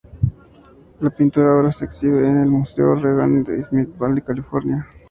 La pintura ahora se exhibe en el Museo Reagan en Simi Valley, California.